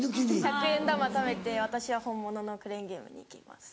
１００円玉ためて私は本物のクレーンゲームに行きます。